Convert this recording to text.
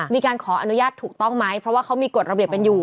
มีการขออนุญาตถูกต้องไหมเพราะว่าเขามีกฎระเบียบกันอยู่